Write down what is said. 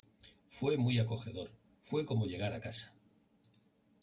Fue muy acogedor, fue como llegar a casa.